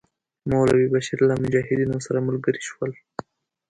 مولوی بشیر له مجاهدینو سره ملګري شول.